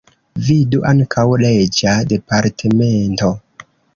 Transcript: Vidu ankaŭ: Reĝa departemento.